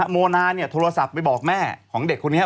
โมนาโทรศัพท์ไปบอกแม่ของเด็กคนนี้